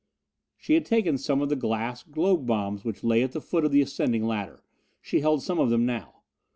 She had taken some of the glass globe bombs which lay by the foot of the ascending ladder. She held some of them now.